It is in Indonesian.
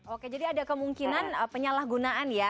oke jadi ada kemungkinan penyalahgunaan ya